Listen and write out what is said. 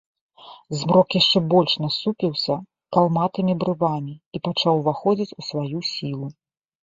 Змрок яшчэ больш насупіўся калматымі брывамі і пачаў уваходзіць у сваю сілу.